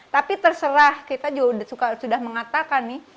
tapi terserah kita juga sudah mengatakan nih